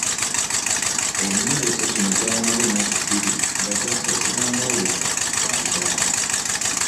Emyoleso gino gyamaze ennaku bbiri nga gyasoose na mwolesa gwa bitabo